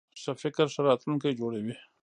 ښه فکر ښه راتلونکی جوړوي.